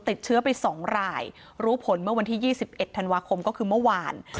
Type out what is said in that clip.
ติดเชื้อไป๒รายรู้ผลเมื่อวันที่๒๑ธันวาคมก็คือเมื่อวาน